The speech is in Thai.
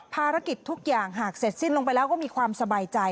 ภารกิจทุกอย่างหากเสร็จสิ้นลงไปแล้วก็มีความสบายใจ